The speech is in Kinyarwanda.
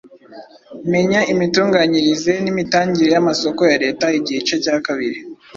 Menya imitunganyirize n’imitangire y’amasoko ya Leta igice cya kabiri